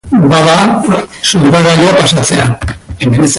Bada, xurgagailua pasatzea.